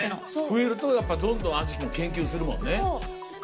増えるとどんどん味も研究するもんね。